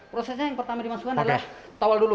prosesnya yang pertama dimasukkan adalah tawal dulu